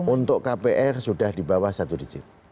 untuk kpr sudah di bawah satu digit